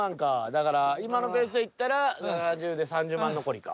だから今のペースでいったら７０で３０万残りか。